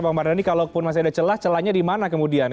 bang mardhani kalaupun masih ada celah celahnya di mana kemudian